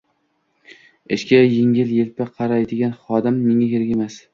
Ishga yengil-elpi qaraydigan xodim menga kerak emas